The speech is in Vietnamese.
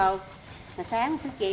mà sáng các chị mình đi làm chuyện khác nữa